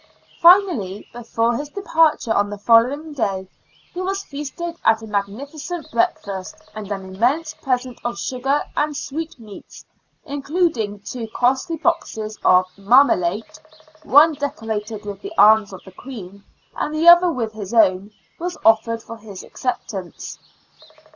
Finally, before his departure on the following day, he was feasted at a magnificent breakfast, and an immense present of sugar and sweetmeats, including two costly boxes of " marmalette "— one decorated with the arms of the Queen, and the other with his own — was offered for his acceptance.